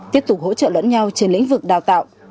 tiếp tục hỗ trợ lẫn nhau trên lĩnh vực đào tạo